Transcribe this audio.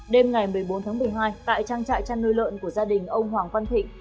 đêm ngày một mươi bốn tháng một mươi hai tại trang trại chăn nuôi lợn của gia đình ông hoàng văn thịnh